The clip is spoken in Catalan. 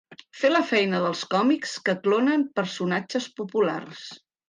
Fer la feina dels còmics que clonen personatges populars.